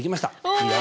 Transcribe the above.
いいよ。